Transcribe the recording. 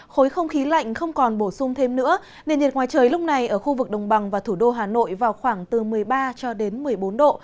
khối không khí lạnh không còn bổ sung thêm nữa nền nhiệt ngoài trời lúc này ở khu vực đồng bằng và thủ đô hà nội vào khoảng từ một mươi ba cho đến một mươi bốn độ